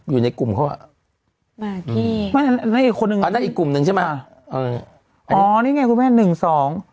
อยู่ในกลุ่มเขาอะนั่นอีกกลุ่มหนึ่งใช่มั้ยอ๋อนี่ไงคุณแม่หนึ่งสอง